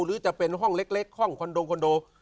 หรือจะเป็นห้องเล็กห้องคอนโด